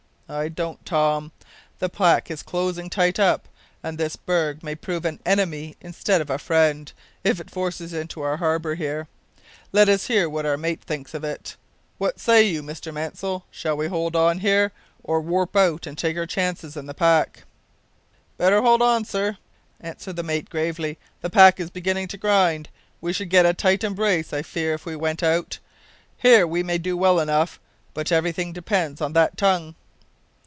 "I don't, Tom. The pack is closing tight up, and this berg may prove an enemy instead of a friend, if it forces into our harbour here. Let us hear what our mate thinks of it. What say you, Mr Mansell, shall we hold on here, or warp out and take our chance in the pack?" "Better hold on, sir," answered the mate gravely. "The pack is beginning to grind; we should get a tight embrace, I fear, if we went out. Here we may do well enough; but everything depends on that tongue."